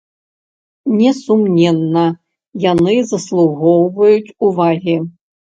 Несумненна, яны заслугоўваюць увагі.